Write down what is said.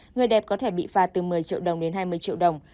người đẹp có thể bị phạt từ một mươi triệu đồng đến hai mươi triệu đồng